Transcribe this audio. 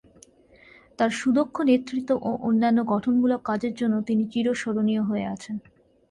তার সুদক্ষ নেতৃত্ব ও অন্যান্য গঠনমূলক কাজের জন্য তিনি চিরস্মরণীয় হয়ে আছেন।